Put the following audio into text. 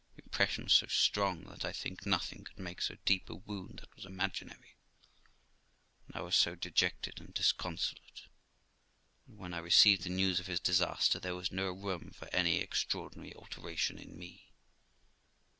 The impression was so strong that I think nothing could make so deep a wound that was imaginary ; and I was so dejected and disconsolate that, when I received the news of his disaster, there was no room for any extraordinary alteration in me.